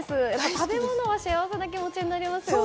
食べ物は幸せな気持ちになりますよね。